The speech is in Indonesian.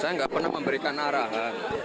saya nggak pernah memberikan arahan